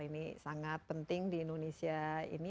ini sangat penting di indonesia ini